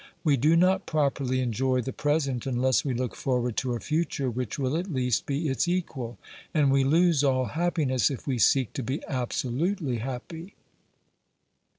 We do not properly 244 OBERMANN enjoy the present unless we look forward to a future which will at least be its equal, and we lose all happiness if we seek to be absolutely happy.